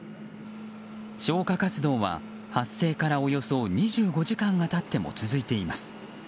消火活動は発生からおよそ２５時間が経っても続いています。